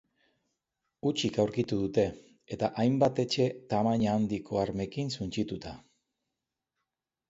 Hutsik aurkitu dute, eta hainbat etxe tamaina handiko armekin suntsituta.